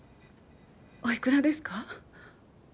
おいくらですか？